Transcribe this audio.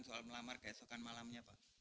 soal melamar keesokan malamnya pak